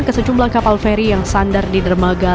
ke sejumlah kapal feri yang sandar di dermaga